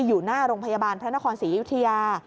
อยู่หน้าโรงพยาบาลพระนครศรีอยุธยา